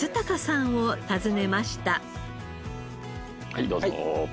はいどうぞ。